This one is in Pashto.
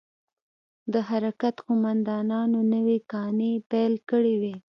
د حرکت قومندانانو نوې کانې پيل کړې وې.